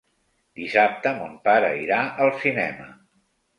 Dissabte mon pare irà al cinema.